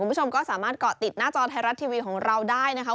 คุณผู้ชมก็สามารถเกาะติดหน้าจอไทยรัฐทีวีของเราได้นะคะ